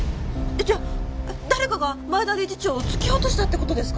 じゃあ誰かが前田理事長を突き落としたって事ですか？